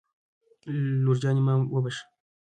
لور جانې ما وبښه